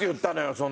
その。